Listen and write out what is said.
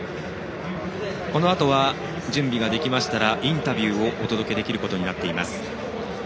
このあとは準備ができましたらインタビューをお届けできることになっています。